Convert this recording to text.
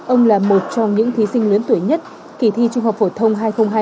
ông là một trong những thí sinh lớn tuổi nhất kỳ thi trung học phổ thông hai nghìn hai mươi